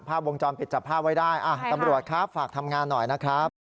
ผ้าวงจรปิดจับผ้าไว้ได้ตำรวจครับฝากทำงานหน่อยนะครับโอเคครับ